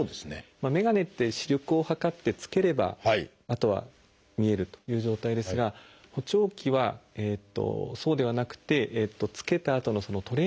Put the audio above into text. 眼鏡って視力を測って着ければあとは見えるという状態ですが補聴器はそうではなくて着けたあとのトレーニングという期間が大事になります。